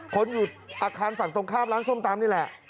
คนอยู่อาคารฝั่งตรงข้ามร้านส้มตำนี่แหละ